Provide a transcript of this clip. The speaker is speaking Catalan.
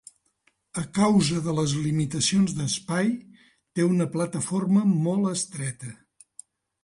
A causa de les limitacions d'espai, té una plataforma molt estreta.